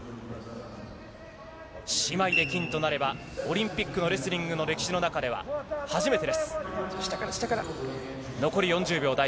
姉妹で金となればオリンピックのレスリングの歴史の中では初めてです。